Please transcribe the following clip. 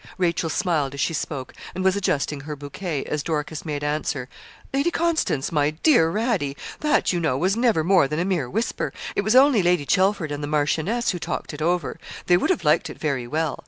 Rachel smiled as she spoke, and was adjusting her bouquet, as Dorcas made answer 'Lady Constance, my dear Radie! That, you know, was never more than a mere whisper; it was only Lady Chelford and the marchioness who talked it over they would have liked it very well.